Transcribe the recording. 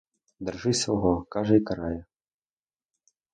Держись свого, каже і карає.